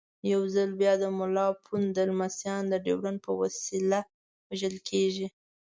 یو ځل بیا د ملا پوونده لمسیان د ډیورنډ په وسیله وژل کېږي.